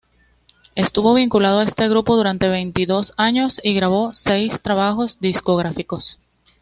Estuvo vinculado a este grupo durante veintidós años y grabó seis trabajos discográficos.